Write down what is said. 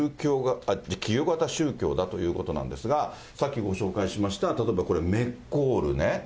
企業型宗教だということなんですが、さっきご紹介しました、例えばこれ、メッコールね。